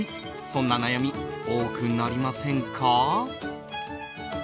そんな悩み、多くなりませんか？